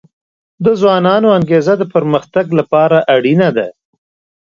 د ځوانانو انګیزه د پرمختګ لپاره اړینه ده.